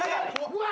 うわ！